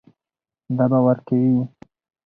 دا به ورکوې.